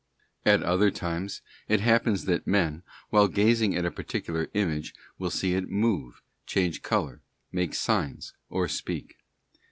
At other times, it happens that men, while gazing at a particular image will see it move, change colour, make signs, or speak.